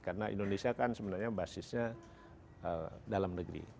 karena indonesia kan sebenarnya basisnya dalam negeri